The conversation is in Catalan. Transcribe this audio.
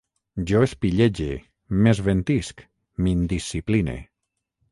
Jo espillege, m'esventisc, m'indiscipline